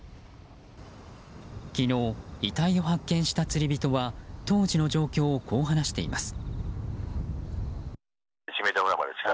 昨日、遺体を発見した釣り人は当時の状況をこう話しています。